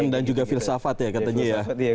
dan juga filsafat ya katanya